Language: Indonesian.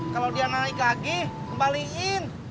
kalau dia naik lagi kembaliin